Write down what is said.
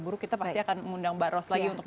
buruk kita pasti akan mengundang mbak ros lagi untuk